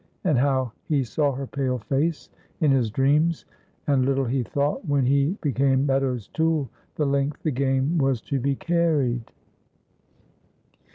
and how he saw her pale face in his dreams, and little he thought when he became Meadows' tool the length the game was to be carried.